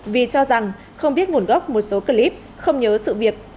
vì cho rằng không biết nguồn gốc một số clip không nhớ sự việc